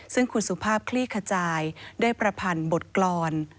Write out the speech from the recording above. ซึ่งคุณสุภาพคลี่ขจายได้ประพันธ์บทกรรม